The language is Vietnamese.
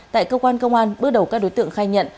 tại cơ quan công an bước đầu các đối tượng khai nhận